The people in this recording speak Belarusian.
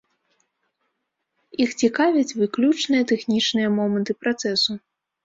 Іх цікавяць выключна тэхнічныя моманты працэсу.